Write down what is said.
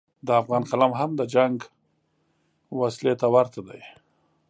د افغان قلم هم د جنګ وسلې ته ورته دی.